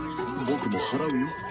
僕も払うよ？